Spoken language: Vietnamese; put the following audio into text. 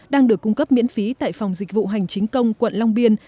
đang được cung cấp miễn phí tại phòng dịch vụ hành chính công quận long biên